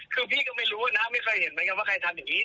คือพี่ก็ไม่รู้นะไม่เคยเห็นเหมือนกันว่าใครทำอย่างนี้